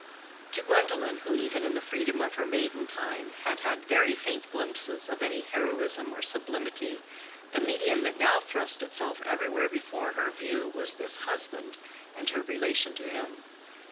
To Gwendolen, who even in the freedom of her maiden time, had had very faint glimpses of any heroism or sublimity, the medium that now thrust itself everywhere before her view was this husband and her relation to him.